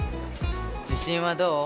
自信はどう？